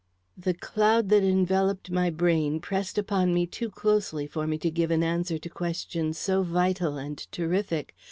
The cloud that enveloped my brain pressed upon me too closely for me to give an answer to questions so vital and terrific.